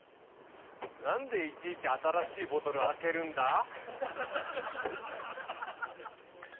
何でいちいち新しいボトルを開けるんだ？